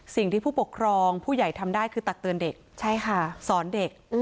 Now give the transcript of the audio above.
สิ่งที่ผู้ปกครองผู้ใหญ่ทำได้คือตักเตือนเด็กใช่ค่ะสอนเด็ก